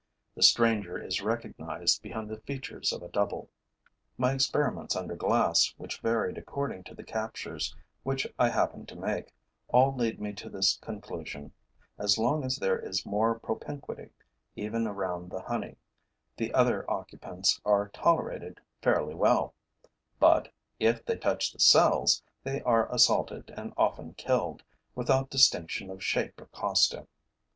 The stranger is recognized behind the features of a double. My experiments under glass, which varied according to the captures which I happened to make, all lead me to this conclusion: as long as there is more propinquity, even around the honey, the other occupants are tolerated fairly well; but, if they touch the cells, they are assaulted and often killed, without distinction of shape or costume.